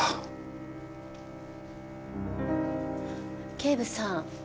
警部さん